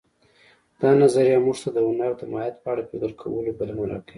دا نظریه موږ ته د هنر د ماهیت په اړه فکر کولو بلنه راکوي